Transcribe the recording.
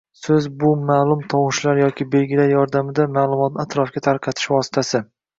So‘z bu maʼlum tovushlar yoki belgilar yordamida maʼlumotni atrofga tarqatish vositasi.